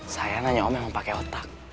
saya nanya om yang mau pake otak